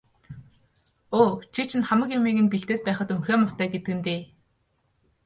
Өө, чи чинь хамаг юмыг нь бэлдээд байхад унхиа муутай гэдэг нь дээ.